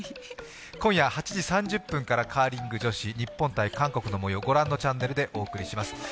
今夜、８時３０分からカーリング女子日本×韓国のもよう、御覧のチャンネルでお届けします。